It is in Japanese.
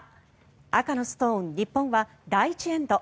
赤のストーン、日本は第１エンド。